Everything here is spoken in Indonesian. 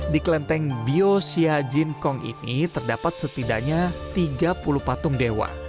di kelenteng biosya jinkong ini terdapat setidaknya tiga puluh patung dewa